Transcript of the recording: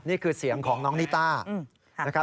นี่คือเสียงของน้องนิตตา